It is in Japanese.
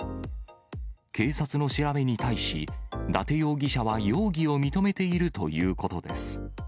警察の調べに対し、伊達容疑者は容疑を認めているということです。